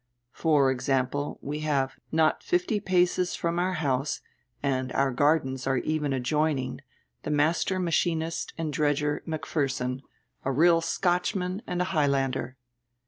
"For example, we have, not fifty paces from our house, and our gardens are even adjoining, the master machinist and dredger Macpherson, a real Scotchman and a High lander."